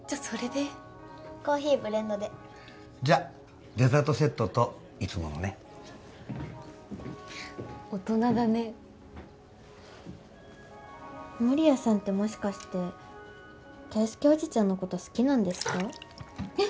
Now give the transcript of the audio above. それでコーヒーブレンドでじゃデザートセットといつものね大人だね守屋さんってもしかして圭介おじちゃんのこと好きなんですか？